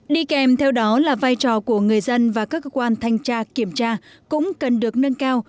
đi kèm theo đó là vai trò của người dân và các cơ quan thanh tra kiểm tra cũng cần được nâng cao